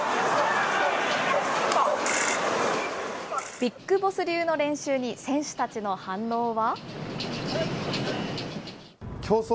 ビッグボス流の練習に選手たちの反応は。